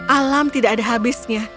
alam tidak ada habisnya